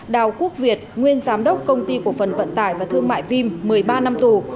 đào quốc việt nguyên giám đốc công ty cổ phần vận tải và thương mại vim một mươi ba năm tù